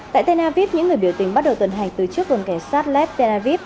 tại tenaviv những người biểu tình bắt đầu tuần hành từ trước vùng cảnh sát lep tenaviv